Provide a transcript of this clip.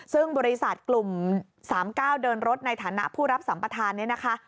ซึ่งบริษัทกลุ่ม๓๙เดินรถในฐานะผู้รับสัมปทานเนี่ยนะคะ